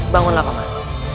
bangunlah pak man